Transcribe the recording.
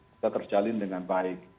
bisa terjalin dengan baik